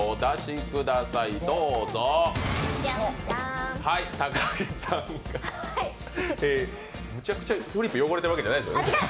高城さんが、めちゃくちゃフリップ汚れてるわけじゃないですよね？